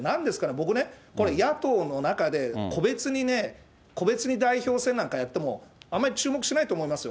僕ね、これ、野党の中で個別にね、個別に代表選なんかやっても、あんまり注目しないと思いますよ。